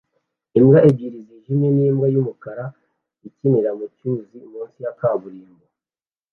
Imbwa ebyiri zijimye nimbwa yumukara ikinira mucyuzi munsi ya kaburimbo